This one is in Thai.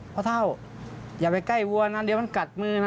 พ่อเท่าอย่าไปใกล้วัวนะเดี๋ยวมันกัดมือนะ